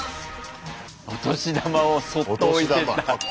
お年玉をそっと置いてった。